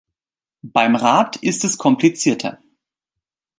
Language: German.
Beim Rat ist es komplizierter.